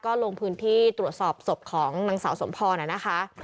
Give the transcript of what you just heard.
ก็ลงพื้นที่ตรวจสอบศพของนางสาวสมพรนะคะ